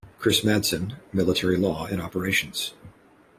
Chris Madsen, "Military Law and Operations".